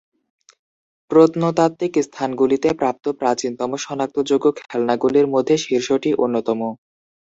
প্রত্নতাত্ত্বিক স্থানগুলিতে প্রাপ্ত প্রাচীনতম শনাক্তযোগ্য খেলনাগুলির মধ্যে শীর্ষটি অন্যতম।